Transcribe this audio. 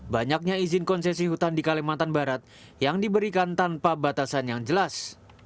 banyaknya izin konsesi hutan di kalimantan barat yang diberikan tanpa batasan yang jelas